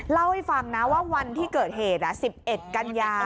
เล่าให้ฟังนะว่าวันที่เกิดเหตุ๑๑กันยา